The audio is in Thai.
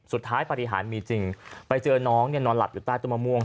สุดท้ายปฏิหารมีจริงไปเจอน้องเนี่ยนอนหลับอยู่ใต้ต้นมะม่วง